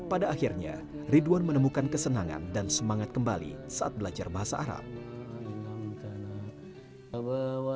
pada akhirnya ridwan menemukan kesenangan dan semangat kembali saat belajar bahasa arab